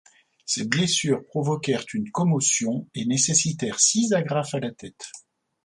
Ses blessures provoquèrent une commotion et nécessitèrent six agrafes à la tête.